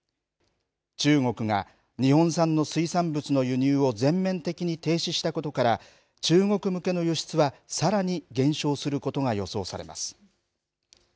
中国が、日本産の水産物の輸入を全面的に停止したことから、中国向けの輸出はさらに減少することが予想されます。